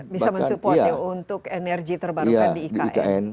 bisa mensupportnya untuk energi terbarukan di ikn